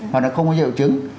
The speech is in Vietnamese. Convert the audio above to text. hoặc nó không có triệu chứng